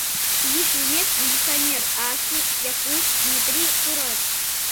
Изиш лиймек, милиционер, Арси, Якуш, Метри пурат.